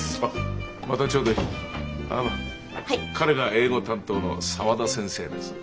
あの彼が英語担当の沢田先生です。